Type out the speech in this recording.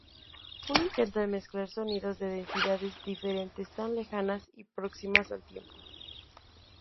Un intento de mezclar sonidos de densidades diferentes, tan lejanas y próximas al tiempo.